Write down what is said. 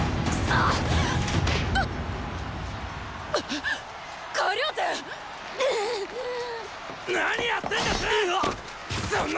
あっ！